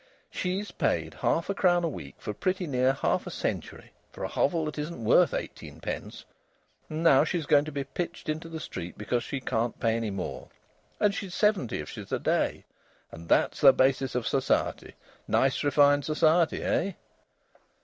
She's paid half a crown a week for pretty near half a century for a hovel that isn't worth eighteen pence, and now she's going to be pitched into the street because she can't pay any more. And she's seventy if she's a day! And that's the basis of society. Nice refined society, eh?"